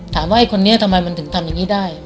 ไอ้คนนี้ทำไมมันถึงทำอย่างนี้ได้